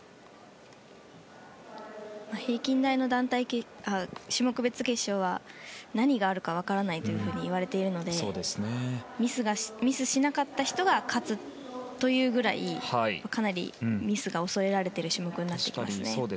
平均台の種目別決勝は何があるか分からないといわれているのでミスをしなかった人が勝つというぐらいかなりミスが恐れられている種目になってきますね。